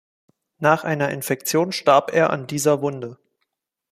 Nach einer Infektion starb er an dieser Wunde.